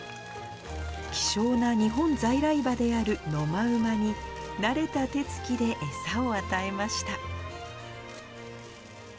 希少な日本在来馬である野間馬に、慣れた手つきで餌を与えました。